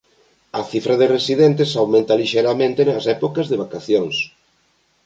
A cifra de residentes aumenta lixeiramente nas épocas de vacacións.